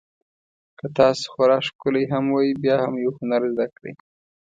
که تاسو خورا ښکلي هم وئ بیا هم یو هنر زده کړئ.